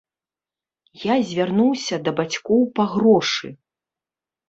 Я звярнуўся да бацькоў па грошы.